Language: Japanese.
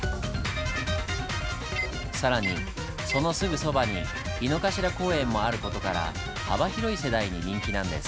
更にそのすぐそばに井の頭公園もある事から幅広い世代に人気なんです。